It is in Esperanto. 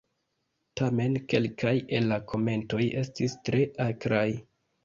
Tamen kelkaj el la komentoj estis tre akraj.